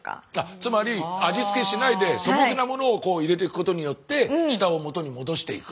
つまり味付けしないで素朴なものをこう入れていくことによって舌を元に戻していく。